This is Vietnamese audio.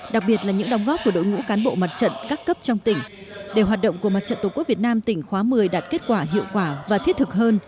đặc biệt là những đồng góp của đội ngũ cán bộ mặt trận các cấp trong tỉnh để hoạt động của mặt trận tổ quốc việt nam tỉnh khóa một mươi đạt kết quả hiệu quả và thiết thực hơn